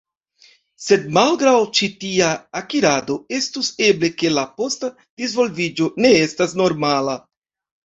Sed, malgraŭ ĉi tia akirado, estus eble, ke la posta disvolviĝo ne estas normala.